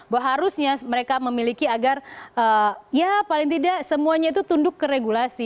bahwa harusnya mereka memiliki agar ya paling tidak semuanya itu tunduk ke regulasi